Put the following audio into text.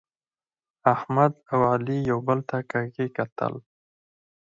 احمد او علي یو بل ته کږي کتل.